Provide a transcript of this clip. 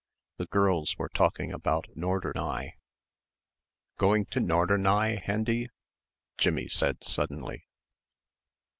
The girls were talking about "Norderney." "Going to Norderney, Hendy?" Jimmie said suddenly.